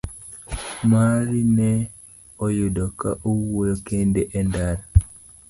Mwari ne oyudo ka owuoyo kende e ndara.